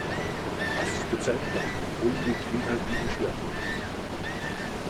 Was ist der Zeitplan, und wo liegen die inhaltlichen Schwerpunkte?